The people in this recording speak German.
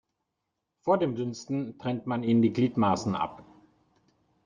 Vor dem Dünsten trennt man ihnen die Gliedmaßen ab.